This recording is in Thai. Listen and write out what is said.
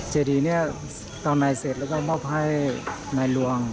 เจดีเนี่ยทำนายเสร็จแล้วก็มอบให้นายลวง